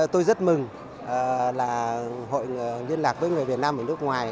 tôi rất mừng là hội liên lạc với người việt nam ở nước ngoài